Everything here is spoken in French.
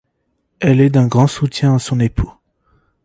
Elle est d'un grand soutien à son époux.